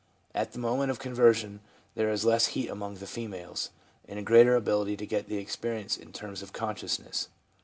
At the moment of conversion there is less heat among the females, and a greater ability to get the experience in terms of consciousness.